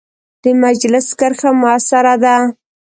د مجلس کرښه مؤثره ده.